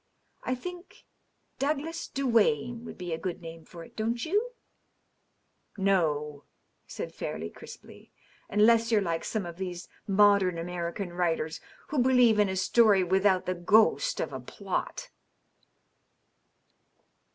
" I think nj ^ Douglas Duane ' would be a good name for it ; don't you ?"" No," said Fairleigh crisply, " unless you're like some of these modern American writers who believe in a story without the ghost of a plot."